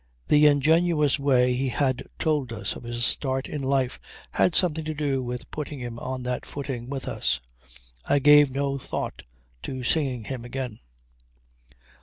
The ingenuous way he had told us of his start in life had something to do with putting him on that footing with us. I gave no thought to seeing him again.